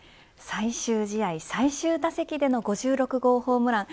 最終試合最終打席での５６号ホームラン。